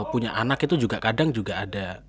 punya anak itu juga kadang juga ada